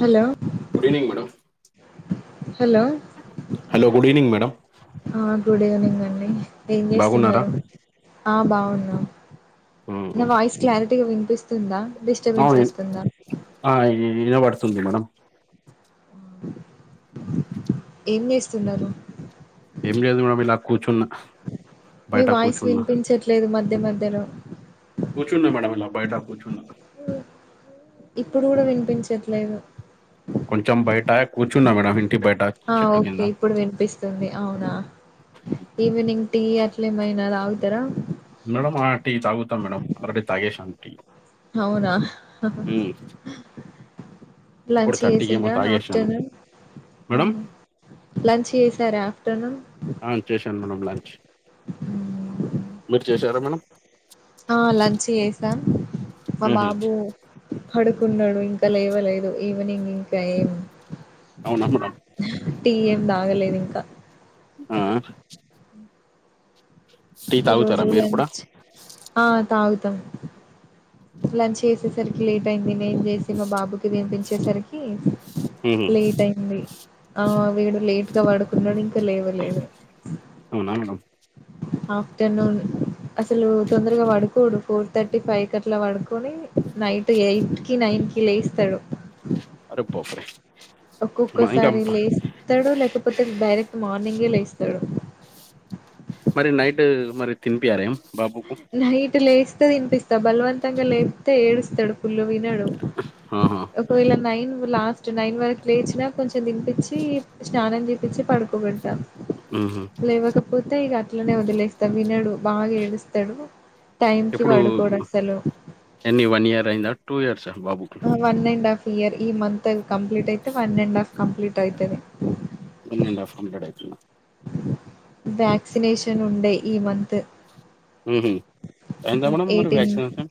Hello good evening madam hello hello good evening madam ఆ good evening అండి ఏం బాగున్నారా చేస్తున్నరు ఆ బాగున్నం ఉమ్, నా వాయిస్ క్లారిటీగా వినిపిస్ [unintelligible] ఆ ఈ ఇనవడ్తుంది మేడం ఏం చేస్తున్నారు ఏం లేదు మేడమ్ ఇలా కూర్చున్న మీ వాయిస్ వినిపించట్లేదు మధ్య మధ్యలో కూర్చున్నా మేడం ఇలా బయట కూర్చున్నా ఇప్పుడు గూడా వినిపించట్లేదు కొంచెం బయట కూర్చున్నా మేడం ఇన్ ఆ ఓకే ఇప్పుడు వినిపిస్తుంది అవునా ఈవినింగ్ టీ అట్ లేమైనా దాగుతరా మేడమ్ ఆ టీ తాగుతా మేడమ్ ఆల్రెడి తాగేేశాన్ టీ అవునా హహ ఉమ్, లంచ్ ఇప్పుడు థర్టీకి ఏమో చేసిండ్ర తాగేశాను ఆఫ్టర్నూన్ అహ మేడం లంచ్ చేసార ఆఫ్టర్నూన్ ఆ, చేశాను మేడం లంచ్ మీరు చేశారా మేడం ఆ లంచ్ చేసాం మా ఉహు, బాబు పడుకున్నడు ఇంకా లేవలేదు ఈవనింగ్ ఇంకా ఏం అవునుమ్మడ టీ ఏం తాగలేదు ఇంకా ఆ టీ ఈ తాగుతారా రోజు మీరు కూడా లంచ్ ఆ తాగుతాం లంచ్ చేసేసరికి లేట్ అయింది నేను చేసి మా బాబుకి తినిపించేసరికి ఉహు, లేట్ అయింది ఆ వీడు లేట్ గా పడుకున్నాడు ఇంకా లేవ లేదు అవునా మేడం ఆఫ్టర్నూన్ అసలు తొందరగా పడుకోడు ఫోర్ థర్టీ ఫైవ్ కి అట్లా పడుకొని నైట్ ఎయిట్ కి నైట్ కి లేస్తాడు అరపోఫురే ఒక్కొక్కసారి లేస్తాడు లేకపోతే డైరెక్ట్ మార్నింగే లే స్తాడు మరి నైట్ మరి తినిపియారేం బాబుకు నైటు లేస్తే తినిపిస్తా బలవంతంగా లేపితే ఏడుస్తాడు కుల్లు ఆహా ఒకవేళ నైన్ లాస్ట్ నక్స్ట్ నైన్ వరకు లేచినా కొంచెం తినిపించి స్నానం చేపించి పడుకోబెడతా ఉహు లేవకపోతే ఇక అట్లనే వదిలేస్తా వినడు బాగా ఏడుస్తాడు టైం కి ఇప్పుడు పడుకోడు అసలు ఎన్ని వన్ ఇయర్ అయిందా టూ ఇయర్స్ బాబు వన్ అండ్ హాఫ్ ఇయర్ ఈ మంత్ అ కంప్లీట్ అయితే వన్ అండ్ హాఫ్ కంప్లీట్ అయితది వన్ అండ్ హఫ్ కంప్లీట్ అవుతుందా వ్యాక్సినేషన్ ఉండే ఈ మంత్ అంత మేడ మరి ఎయిటీన్ వ్యాక్సినేషన్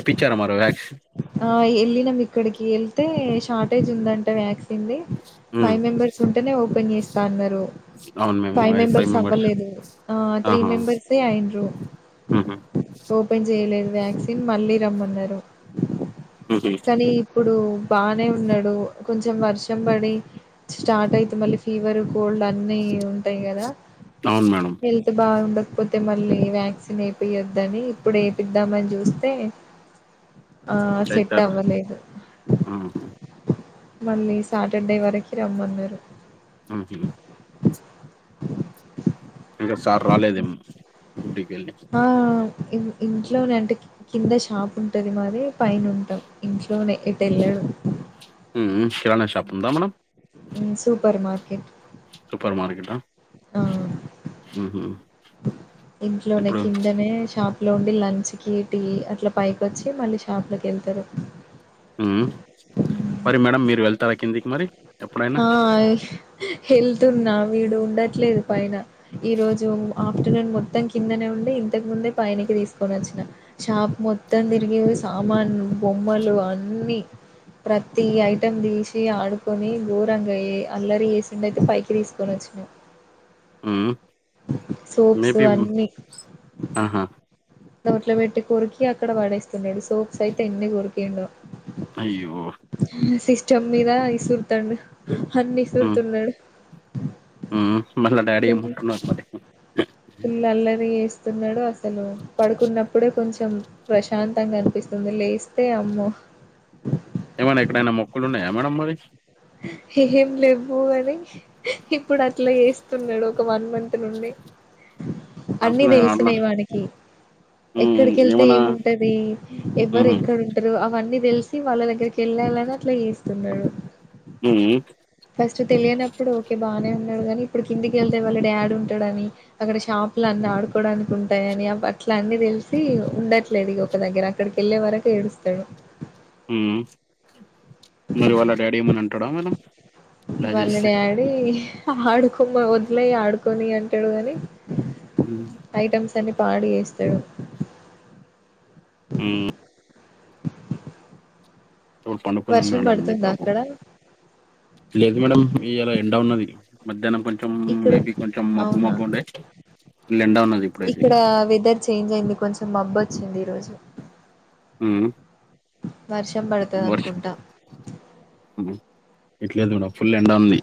ఏపిచ్చారా మరి వ్యాక్సిన్ ఆ వెళ్ళినమ్ ఇక్కడికి వెళ్తే షార్టేజ్ ఉందంట వ్యాక్సిన్డి ఉమ్ ఫైవ్ మెంబర్స్ ఉంటేనే ఓపెన్ చేస్తా అన్నారు అవును మేము ఫైవ్ ఐ మెంబెర్స్ మెంబర్స్ అవ్వలేదు ఆ త్రీ మెంబెర్స్యే అయ్యిండ్రూ ఆహా ఓపెన్ చేయలేదు వ్యాక్సిన్ మళ్ళీ రమ్మన్నారు ఉహు కానీ ఇప్పుడు బానే ఉన్నాడు కొంచెం వర్షం పడి స్టార్ట్ అయితే మళ్ళీ ఫీవర్ కోల్డ్ అన్ని ఉంటాయి కదా అవును మేడం హెల్త్ బాగు లేకపోతే మళ్ళీ వ్యాక్సిన్ అయిపోయొద్దని ఇప్పుడు ఏపిద్దామని చూస్తే ఆ సెట్ చేత్తారు అవ్వలేదు ఉహు మళ్ళీ సాటర్డే వరకు రమ్మన్నారు ఆహా గుడ్బకిలి ఇం ఇంట్లోనే అంటే కింద షాప్ ఉంటది మాది పైన ఉంటాం ఇంట్లో ఇంట్లోనే ఎటు వెళ్ళాడు కిరాణా షాప్ ఉందా మనం ఉ సూపర్ మార్కెట్ సూపర్ మార్కెట్ ఆ ఆ ఉహు ఇంట్లోనే ఇప్పుడు కిందనే షాప్ లోండి లంచ్ కి టీ అట్లా పైకి వచ్చి మళ్ళీ షాప్ లోకి వెళ్తారు మరి మేడం మీరు వెళ్తారా కిందికి మరి ఎప్పుడైనా ఆ వెళ్తున్నా వీడు ఉండట్లేదు పైన ఈ రోజు ఆఫ్టర్నూన్ మొత్తం కిందనే ఉండి ఇంతకుముందే పైనకి తీసుకొని వచ్చిన షాప్ మొత్తం తిరిగి సామాన్లు బొమ్మలు అన్నీ ప్రతి ఐటం తీసి ఆడుకొని ఘోరంగా అల్లరి చేసిండు అయితే పైకి తీసుకొని వచ్చినము ఉ సోప్సు అన్నీ ఆహా ఒకట్లో పెట్టి కొరికి అక్కడ వాడేస్తున్నాడు సోప్స్ అయితే ఎన్ని కొరికిండు అయ్యో సిస్టమ్ మీద విసురుతండు అన్ని విసురుతున్నాడు ఉ మళ్ళా డాడీ ఏమంటున్నారు మరి వీళ్ళ అల్లరి చేస్ వస్తున్నాడు అసలు పడుకున్నప్పుడే కొంచెం ప్రశాంతంగా అనిపిస్తది లేస్తే అమ్మో ఏమైనా ఎక్కడైనా మొక్కలు ఉన్నాయా మేడమ్ మరి ఏం లేబు అని ఇప్పుడు అట్లా చేస్తున్నాడు ఒక వన్ మంత్ నుండి అన్నీ అట్లా అట్లా తెలిసినాయి వానికి హ్మ్ ఎక్కడికి వెళ్తే ఏమన్నా ఏముంటది ఎవరు హుహు ఎక్కడ ఉంటారు అవన్నీ తెలిసి వాళ్ళ దగ్గరికి వెళ్ళాలని అట్లా చేస్తున్నాడు హ్మ్ ఫస్ట్ తెలియనప్పుడు ఓకే బానే డు కానీ ఇప్పుడు కిందికెళ్తే వాళ్ళ డాడీ ఉంటాడు అని అక్కడ షాపులు అన్ని ఆడుకోవడానికి ఉంటాయని అట్ ఇట్లా అన్నీ తెలిసి ఉండట్లేడు ఇక ఒక దగ్గర అక్కడికి వెళ్ళే వరకు ఏడుస్తాడు ఉ మరి వాళ్ళ డాడీ ఏమన వాళ్ళ డాడీ ఆడుకోమ వదిలేయి ఆడుకొని అంటాడు కాని హ్మ్ ఐటమ్స్ అని పాడు చేస్తడు హ్మ్. ఇడు పండుకుని వర్షం ఉన్నాడండి పడుతుందా బాబు అక్కడ లేదు మేడం ఇయాలా ఎండవున్నది మధ్యాహ్నం కొంచెం ఇక్కడ మేబి కొంచెం మబ్బు అవునా మబ్బు ఉండే ఫుల్ ఎండ ఉన్నది ఇప్పుడైతే ఇక్కడ వెదర్ చేంజ్ అయింది కొంచెం మబ్బు వచ్చింది ఈరోజు ఉ వర్షం పడతది అనుకుంటా ఎట్లేదు కూడా ఫుల్ ఎండ ఉంది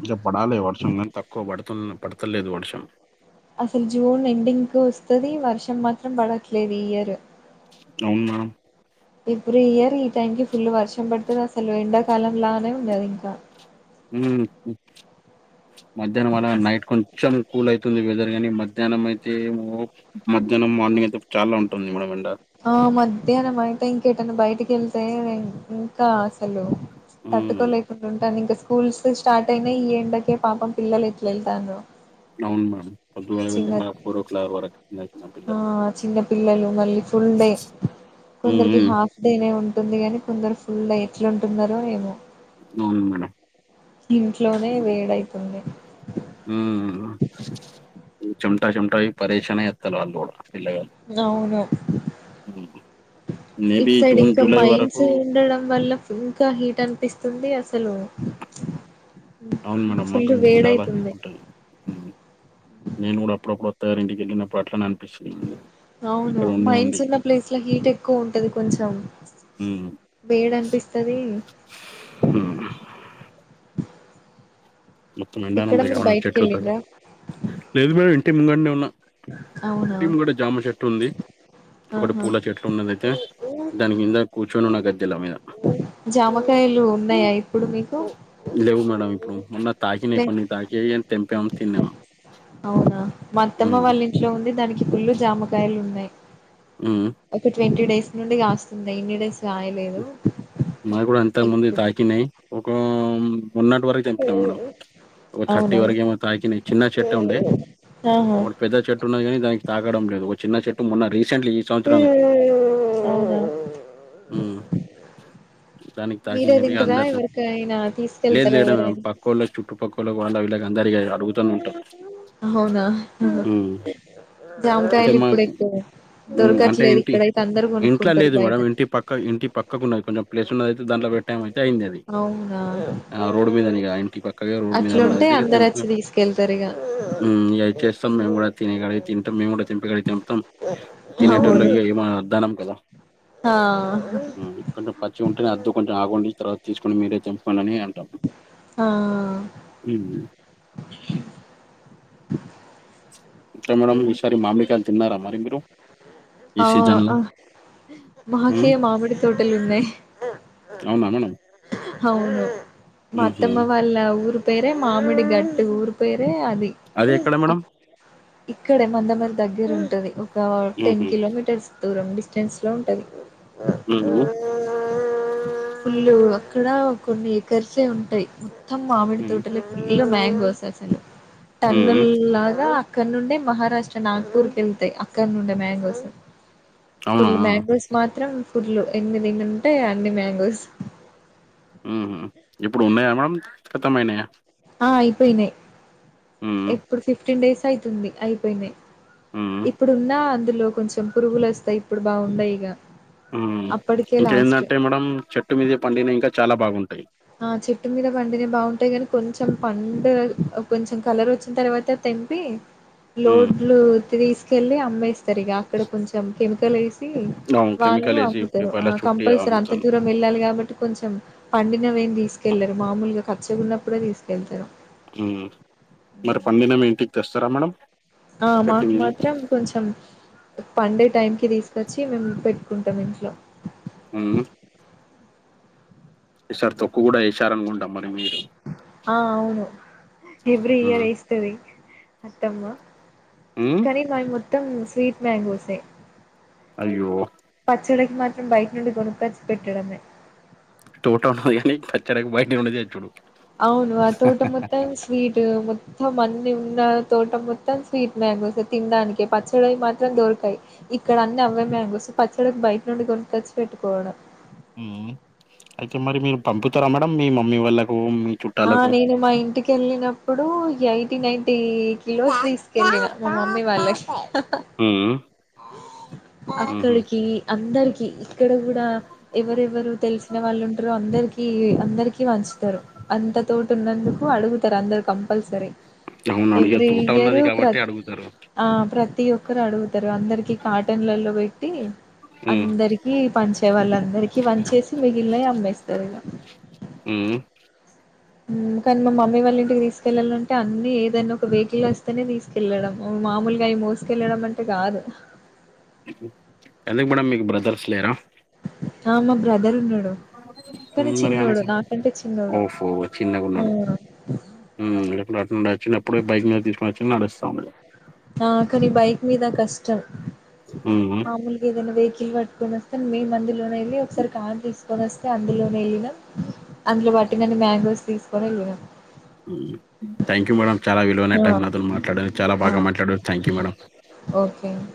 ఇంకా పడాలి వర్షం కానీ తక్కువ పడుతు పడతలేదు వర్షం అసలు జూన్ ఎండింగ్ కు వస్తది వర్షం మాత్రం పడట్లేదు ఈ ఇయరు అవును మేడం ఇప్పుడు ఇయర్ ఈ టైంకిి ఫుల్ వర్షం పడుతది అసలు ఎండాకాలం లానే ఉండది ఇంకా ఉ మధ్యాహ్నం వన నైట్ అస్ కొంచెం కూల్ అయితది వెదర్ ని మధ్యాహ్నం అయితే మో మధ్యాహ్నం మార్నింగ్ అయితే చాలా ఉంటుంది మేడం ఎండా ఎటన్న బయటికి వెళ్తే ఇంకా అసలు ఉమ్ తట్టుకోలేకుండా ఉంటాను ఇంకా స్కూల్స్ స్టార్ట్ అయిన ఈ ఏండకే పాపం పిలలు ఎట్ల ఎల్తారో అవును మేడం పొద్దుగాల వెళ్ళి చిన్న మన ఫోర్ ఓ క్లాక్ వరకు చిన్న చిన్న ఆ పిల్లలు చిన్న పిల్లలు మళ్ళీ ఫుల్ డే ఉమ్ కొందరికి ఉమ్ హాఫ్ డేనే ఉంటుంది గాని కొందరు ఫుల్ ఎట్లాంటున్నారో ఏమో అవును మేడం ఇంట్లోనే వేడైతుంది ఉ చుంటా చుంటా పరేషాన్ చేత్తరు వాళ్ళు కూడా పిల్లగాళ్ళు అవును హ్మ్. మేబీ ఇట్ సైడ్ జూన్ ఇంకా జూలై మైన్స్ వరకు ఉండడం వల్ల ఇంకా హీట్ అనిపిస్ తుంది అసలు అవును మేడం మాకి ఫుల్ ఇంకా చాలా హీట్ వేడైతుంది ఉంటది నేను కూడా అప్పుడప్పుడు సార్ ఇంటికి వెళ్ళినప్పు అట్లనే అనిపిస్తుంది మేడం అవును ఇక్కడ ఉండి ఉండి మైన్స్ ఉన్న ప్లేస్ లో హీట్ ఎక్కువ ఉంటది కొంచెం ఉమ్ వేడి అనిపిస్తది ఉమ్ మొత్తం ఇక్కడ ఎండనంత మీరు ఎవై బయటికి చెట్లుత వెళ్ళిండ్రా లేదు మేడం ఇంటి ముంగట్నే అవునా టీమ్ కూడా జామషట్ ఉంది [unintelligible] ఒకటి ఆహా పూల చెట్లు ఉన్నదయితే దాని కింద కూర్చొని ఉన్న గద్దెల మీద జామకాయలు ఉన్నాయా ఇప్పుడు మీకు లేవు మేడము ఇప్పుడు ఉన్న తాకి లే కొన్నీ తాకేయి తెంపమ తిన్నావా అత్తమ వాళ్ళ ఇంట్లో ఉంది దానికి పులు జామకాయలు ఉన్నాయి ఉమ్ ఒక ట్వంటీ డేస్ నుండి కాస్తుంది ఎన్ని డేస్ కాయలేదు మాకు కూడా అంతకు ఇప్పుడే మోన్నటి వరకు తెంపినాం మేడం ఒక థర్టీ అవునా వరకు ఏమో తాకిని చిన్న చెట్టు ఉండే ఆహా ఒకటి పెద్ద చెట్టు ఉన్నది కాని దానికి తాగడం లేదు ఒక చిన్న చెట్టు మొన్న రీ హ ఉమ్ దానికి తాకిినదిగా తింటరా అందర్ం ఎవరికైనా లేదు తీసుకెళ్తారా లేడం ఎవరైనా పక్క వాళ్ళ చుట్టుపక్క వాళ్ వాళ్ళ విలగా [unintelligible] అందరిగా అడుగుతూనే ఉంటారు అవునా ఆహా. అంటే జామకాయలు ఇప్పుడు మాకు ఎక్కువ అంటే దొరకట్లేదు ఇంటి ఇక్కడైతే అందరు ఇంట్లో కొనుక్కుంటారు లేదు బయట మేడం ఇంటి పక్క ఇంటి పక్కకు ఉన్నది కొంచెం ప్లేస్ ఉన్నది అయితే దాంట్లో పెట్టే టైం అయితే అయింది అది అవునా ఆ రోడ్ మీదనే ఇగ ఇంటి పక్కగా రోడ్ మీద అట్లుంటే ఉన్నది అందరు తెెంపుల్ వచ్చి తీసుకెళ్తారు ఇక ఉం ఇగ అది చేస్తాం మేము కూడా తినే కాడికి తింటాం మేము కూడా తెంపే కాడికి తెం పుతాం అవును తినేటోళ్ళకి ఇగ వద్దనం కదా ఆ కొంచెం పచ్చి ఉంటే అద్దు కొంచెం ఆగండి తర్వాత తీసుకొని మీరే తెంపుకొండి అని ఆ ఎట్ల మేడం ఇం ఈసారి మామిడి కాయలు తీన్నారా మరి మీరు ఈ ఆ సీజన్‌లో? ఆ మాకే హ్మ్. మామిడి తోటలు ఉన్నయి అవునా మేడం అవును హుహు. మత్తమ్మ వాళ్ళ ఊరు పేరే మామిడి గట్ ఊరు పేరు అది ది అదెక్కడ మేడం? ఇక్కడే మంద మరి దగ్గర ఉంటది ఒక టెన్ హుహు. కిలోమీటర్స్ దూరం డిస్టెన్స్ లో ఉంటది హూ హమ్ పుల్లు అక్కడ కొన్ని ఏకర్సే ఉంటాయి మొత్తం మామిడి హ్మ్. తోటలే పుల్ మ్యాంగోస్ అసలు హుహు. టన్నుల్ లాగా అక్కడ నుండే మహారాష్ట్ర నాగ్పూర్ కి వెళ్తాయి అక్కడ నుండే మ్యాంగోస్ అవునా? ఫుల్ మ్యాంగోస్ మాత్రం ఫుల్లు ఎన్నీ తింటే అన్ని మ్యాంగోస్ ఉ హమ్ ఇప్పుడు ఉన్నాయా మేడం ఖతమైనాయా ఆ అయిపోయినాయి హ్మ్. ఎప్పుడు ఫిఫ్టీన్ డేస్ అవుతుంది అయిపోయినాయి హ్మ్. ఇప్పుడున్నా అందులో కొంచెం పురుగులు వస్తాయి ఇప్పుడు బాగున్నాయి ఇక ఉం ఇక్కడ ఏమ్ దంటే మేడం చెట్టు మీదే పండిన ఇంకా చాలా బాగుంటాయి ఆ చెట్టు మీద పండినే బాగుంటాయి కానీ కొంచెం పండు కొంచెం కలర్ వచ్చిన తర్వాత తెంపి హ్మ్. లోడ్లు తీసుకెళ్ళి అమ్మేస్తారు ఇక అక్కడ కొంచెం కెమికల్ వేసి అవును. వాళ్ళు కెమికలేసి అమ్ముతరు పేపర్‌ల చుట్టి కంపల్సరీ అంత అమ్ముతారు. దూరం వెళ్ళాలి కాబట్టి కొంచెం పండి న్నవేం తీసుకెళ్లరు మామూలుగా పచ్చగ గున్నప్పుడే తీసుకెళ్తారు ఉ హమ్ మరి పండినవి ఇంటికి తెస్తారా మేడం ఆ చెట్టు మాకు మీదయి. మాత్రం కొంచెం పండే టైంకి కి తీసుకొచ్చి మేము పెట్టుకుంటాం ఇంట్లో హూ హమ్ ఈ సరి తొక్కు కూడా ఉండ మరి మీరు ఆ అవును ఎవ్రి ఇయర్ హ్మ్. ఎస్తాధి అత్తమ్మా హ్మ్. కానీ నాయ్ మొత్తం స్వీట్ మంగోసే అయ్యో మాత్రం బైకి నుడి కొణ కోచి పెట్డమే టోట ఉంది కచ్చడా బైటి ఉది చెడు అవును అ తోట మొత్తం స్వీట్ మొత్తం మ నిన్న తోట మొత్తం స్వీట్ మ్యాగస్ తినడానికి పచ్చడిొయి మాత్రం దొరికాయి ఇక్కడ అన్ని అవే మ్యాంగోస్ పచ్చడికి బయట నుండి కొ తెచ్చి పెట్టుకోవడం అయితే మరి మీరు పంపుతారా మేడంమ్ మీ మమ్మీ వాళ్ళకు ఆ చుట్టాలకు? నేను మా ఇంటికెళ్ళిన ఇప్పుడు ఎయిటీ నైన్టీ కిలోస్ తీసుకెళ్ళిన మా మమ్మీ వాళ్ళకి హ అక్కడికి అందరికి ఇక్కడ కూడా ఎవరెవరు తెలిసిన వాళ్ళు ఉంటార అందరికి అందరికి వంచుతారు అంతతోటి న్నందుకు అడుగుతారు అందరు కంపల్సరీ అవునవును. ఇగ ఎవ్రీ తోట ఉన్నది ఇయరు కాబట్టి అడుగుతారు. ప్రతి ఒక్కరు అడుగుతారు అందరికి కాటన్లలో హ్మ్. అందరికి పనించే వాళ్ళ అందరికీ పని చేేసి మిగిలిన అమ్మేస్తారు ఇలా ఆ కానీ మా మమ్మీ వాళ్ళ ఇంటికి తీసుకెళ్ళాలింటే అన్ని ఏదైనా ఒక వెహికల్ వస్తేనే తీసుకెళ్ళడం మామూలుగా అ ఈ మోసుకెళ్ళడం అంటే కాదు ఎందుకు మేడమ్ మీకు బ్రదర్స్ లేరా ఆ మా బ్రదర్ ఉన్నాడి కానీ హ్మ్. మరి ఆయనకి చిన్నోడు నాకంటే చిన్నోడు ఆ ఇప్పుడు అట్ నుండి వచ్చి ఎప్పుడుే బైక్ మీద తీసుకొని వచ్చి నడుస్తాంము ఆ కానీ బైక్ మీద కష్టం హ్మ్. మామూలుగా ఏదైనా వే పట్టుకొని వస్తే మేము అందులోనే వెళ్ళి ఒకసారి కారు తీసుకొని వస్తే అందులోనే వెళ్ళినాం అందులో బట్టి కానీ మ్యాంగోస్ తీసుకొని వెళ్ళం థ్యాంక్ యూ మేడమ్ చాలా బాగా మాట్లాడారు ఆ టైం అతను మాట్లాడు చాలా ఆ బాగా మాట్లాడుడు థ్యాంక్ యూ మేడం ఓకే అండి